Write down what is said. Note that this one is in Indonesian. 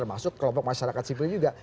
termasuk kelompok masyarakat sipil juga